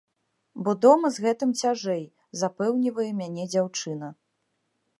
Бо дома з гэтым цяжэй, запэўнівае мяне дзяўчына.